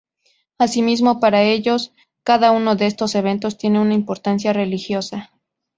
Asimismo para ellos cada uno de estos eventos tiene una importancia religiosa.